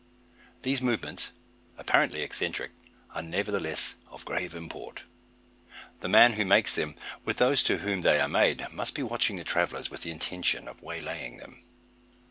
These movements, apparently eccentric, are nevertheless of grave import. The man who makes them, with those to whom they are made, must be watching the travellers with the intention of waylaying them.